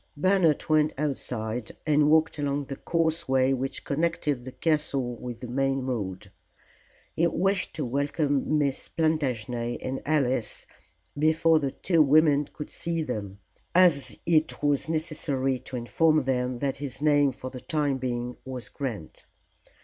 Bernard went outside and walked along the causeway which connected the castle with the main road. He wished to welcome Miss Plantagenet and Alice before the two women could see them, as it was necessary to inform them that his name for the time being was Grant.